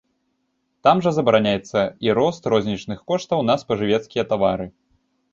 Там жа забараняецца і рост рознічных коштаў на спажывецкія тавары.